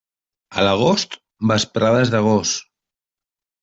A l'agost, vesprades de gos.